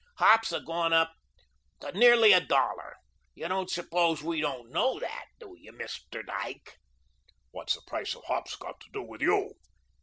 Hops have gone up to nearly a dollar. You don't suppose we don't know that, do you, Mr. Dyke?" "What's the price of hops got to do with you?"